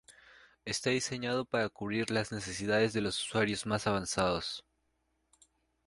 Está diseñado para cubrir las necesidades de los usuarios más avanzados.